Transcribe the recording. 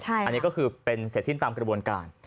อันนี้ก็คือเป็นเสร็จสิ้นตามกระบวนการ